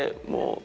もう。